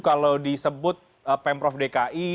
kalau disebut pemprov dki